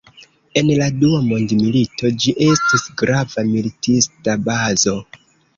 En la dua mondmilito, ĝi estis grava militista bazo.